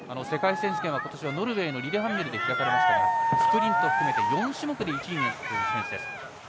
世界選手権は今年はノルウェーのリレハンメルで開かれましたがスプリントを含めて４種目で１位になった選手です。